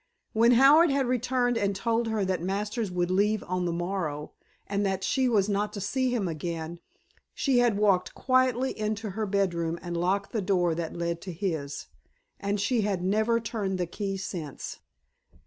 When Howard had returned and told her that Masters would leave on the morrow and that she was not to see him again, she had walked quietly into her bedroom and locked the door that led to his; and she had never turned the key since.